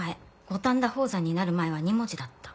五反田宝山になる前は２文字だった。